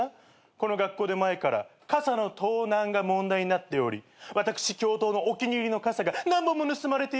この学校で前から傘の盗難が問題になっており私教頭のお気に入りの傘が何本も盗まれているということ。